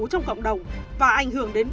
trong cộng đồng và ảnh hưởng đến